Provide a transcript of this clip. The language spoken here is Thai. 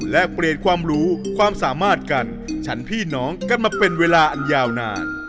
และเปลี่ยนความรู้ความสามารถกันฉันพี่น้องกันมาเป็นเวลาอันยาวนาน